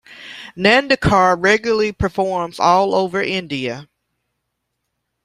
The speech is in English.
Nandikar regularly performs all over India.